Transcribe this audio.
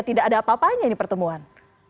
tidak ada apa apanya ini pertemuan